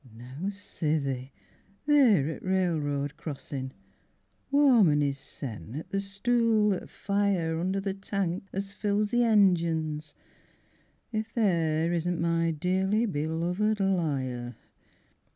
V Now sithee theer at th' railroad crossin' Warmin' his sen at the stool o' fire Under the tank as fills the ingines, If there isn't my dearly beloved liar!